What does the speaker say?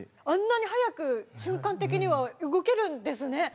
あんなに速く瞬間的には動けるんですね。